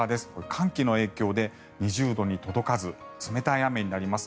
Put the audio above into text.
寒気の影響で２０度に届かず冷たい雨になります。